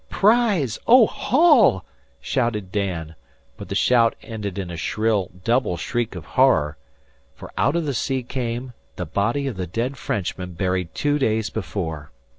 "Prize, oh! Haul!" shouted Dan, but the shout ended in a shrill, double shriek of horror, for out of the sea came the body of the dead Frenchman buried two days before!